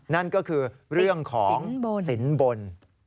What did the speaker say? นั่นก็คือเรื่องของสินบน